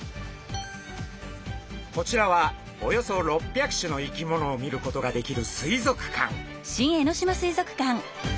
こちらはおよそ６００種の生き物を見ることができる水族館。